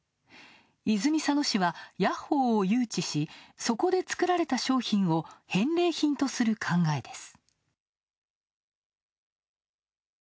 泉佐野市はヤッホーを誘致し、そこで作られた商品を返礼品とする考えです。